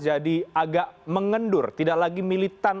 jadi agak mengendur tidak lagi militan